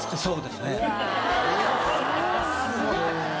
すごいね。